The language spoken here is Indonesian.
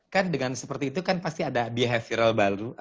kan dengan seperti itu kan pasti ada behaviral baru